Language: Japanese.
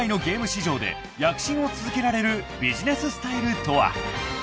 市場で躍進を続けられるビジネススタイルとは］